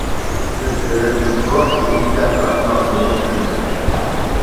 بىز دۆلەتنىڭ بۇ ھەقتىكى ئىنكاسىغۇ قۇلاق سالىمىز ئەلۋەتتە.